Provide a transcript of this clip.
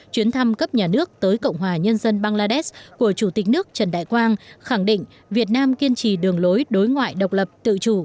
chuyến thăm cấp nhà nước tới cộng hòa nhân dân bangladesh của chủ tịch nước trần đại quang khẳng định việt nam kiên trì đường lối đối ngoại độc lập tự chủ